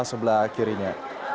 mata sebelah kirinya